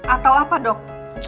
atau apa dok